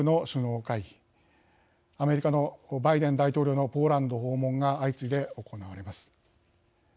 アメリカのバイデン大統領のポーランド訪問が相次いで行われます。